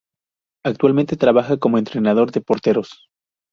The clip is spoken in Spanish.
Actualmente trabaja como entrenador de porteros.